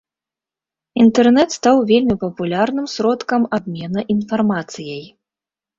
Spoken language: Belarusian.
Інтэрнэт стаў вельмі папулярным сродкам абмена інфармацыяй.